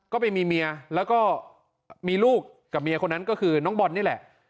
ก็ไปมีเมียแล้วก็มีลูกกับเมียคนนั้นก็คือน้องบอลนี่แหละ